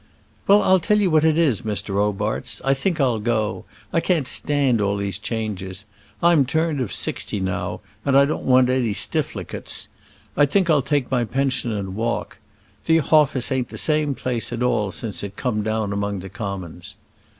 "Well; I'll tell you what it is, Mr. Robarts: I think I'll go. I can't stand all these changes. I'm turned of sixty now, and don't want any 'stifflicates. I think I'll take my pension and walk. The hoffice ain't the same place at all since it come down among the Commons."